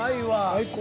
最高。